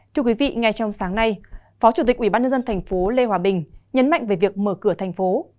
thưa quý vị ngay trong sáng nay phó chủ tịch ubnd tp lê hòa bình nhấn mạnh về việc mở cửa thành phố